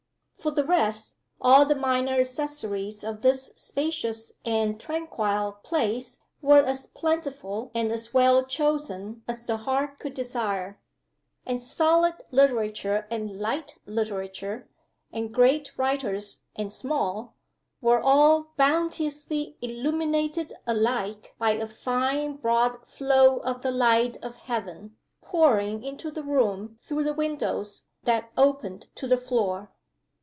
For the rest, all the minor accessories of this spacious and tranquil place were as plentiful and as well chosen as the heart could desire. And solid literature and light literature, and great writers and small, were all bounteously illuminated alike by a fine broad flow of the light of heaven, pouring into the room through windows that opened to the floor.